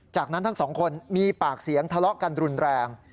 จากนั้นทั้งสองคนมีปากเสียงทะเลาะกันรุนแรง